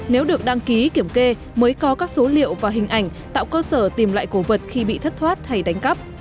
nếu được đăng ký kiểm kê mới có các số liệu và hình ảnh tạo cơ sở tìm lại cổ vật khi bị thất thoát hay đánh cắp